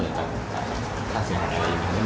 โอนเข้ามา๔๙๐๐๐บาทค่ะ